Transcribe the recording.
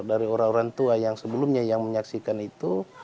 dari orang orang tua yang sebelumnya yang menyaksikan itu